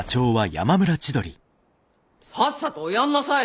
さっさとおやんなさい。